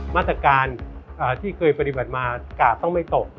มาตรการที่เคยปฏิบัติมากาดต้องไม่ตก